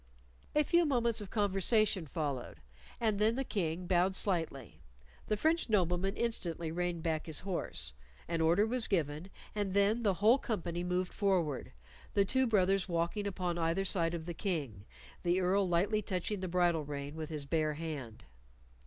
A few moments of conversation followed, and then the King bowed slightly. The French nobleman instantly reined back his horse, an order was given, and then the whole company moved forward, the two brothers walking upon either side of the King, the Earl lightly touching the bridle rein with his bare hand.